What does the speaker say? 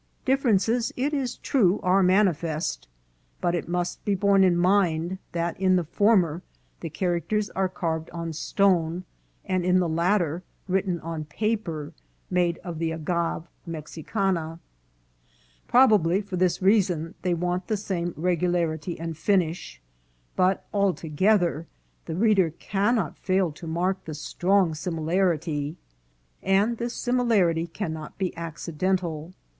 Differences, it is true, are manifest ; W'flfilK l® 4' \Z*) 0 \(fTi3 t j frr*/ |||^» THE BUILDERS OF THESE CITIES. 455 but it must be borne in mind that in the former the char acters are carved on stone, and in the latter written on paper (made of the Agave Mexicana). Probably, for this reason, they want the same regularity and finish ; but, altogether, the reader cannot fail to mark the strong similarity, and this similarity cannot be acci dental.